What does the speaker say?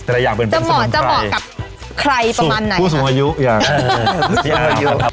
แต่อะไรอย่างเป็นจะเหมาะจะเหมาะกับใครประมาณไหนผู้สูงอายุอย่าง